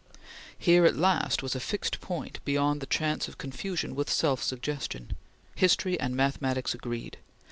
Here at last was a fixed point beyond the chance of confusion with self suggestion. History and mathematics agreed.